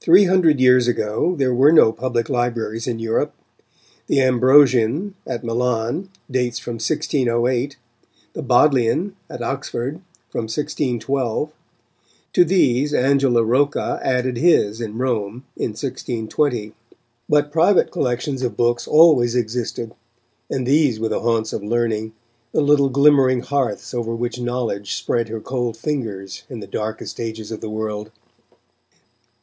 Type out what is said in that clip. Three hundred years ago there were no public libraries in Europe. The Ambrosian, at Milan, dates from 1608; the Bodleian, at Oxford, from 1612. To these Angelo Rocca added his in Rome, in 1620. But private collections of books always existed, and these were the haunts of learning, the little glimmering hearths over which knowledge spread her cold fingers, in the darkest ages of the world.